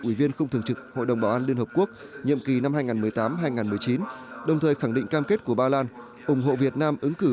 ủy viên không thường trực hội đồng bảo an liên hợp quốc nhiệm kỳ năm hai nghìn một mươi tám hai nghìn một mươi chín đồng thời khẳng định cam kết của ba lan ủng hộ việt nam ứng cử